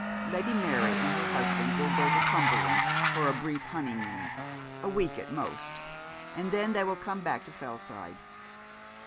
Lady Mary and her husband will go to Cumberland for a brief honeymoon a week at most and then they will come back to Fellside.